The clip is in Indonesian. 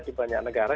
di banyak negara